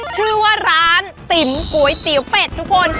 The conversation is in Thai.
ชื่อว่าร้านติ๋มก๋วยเตี๋ยวเป็ดทุกคน